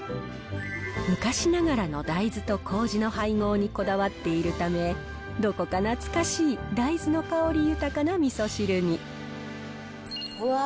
昔ながらの大豆とこうじの配合にこだわっているため、どこか懐かしい大豆の香り豊かなみそ汁に。